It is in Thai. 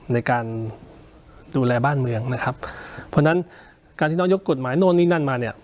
ในการดูแลบ้านเมืองนะครับเพราะฉะนั้นการที่น้องยกกฎหมายโน้นนี่นั่นมาเนี่ย